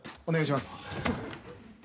お願いします。